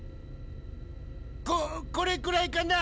これくらいかな？